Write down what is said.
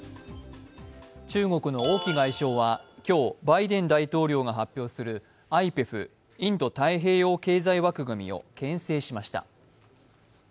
中国の王毅外相は今日、バイデン大統領が発表するＩＰＥＦ＝インド太平洋経済枠組みをけん制しました。